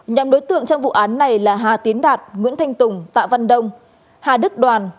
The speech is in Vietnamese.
nhằm đối tượng trong vụ án này là hà tiến đạt nguyễn thanh tùng tạ văn đông hà đức đoàn